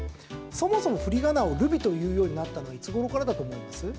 そもそも振り仮名をルビというようになったのはいつ頃からだと思います？